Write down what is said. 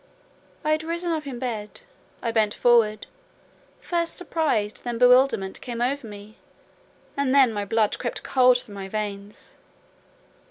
I had risen up in bed, I bent forward: first surprise, then bewilderment, came over me; and then my blood crept cold through my veins.